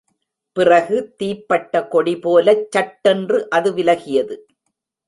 பிறகு தீப்பட்ட கொடிபோலச் சட்டென்று அது விலகியது.